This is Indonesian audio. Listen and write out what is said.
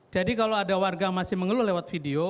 jadi kalau ada warga masih mengeluh lewat video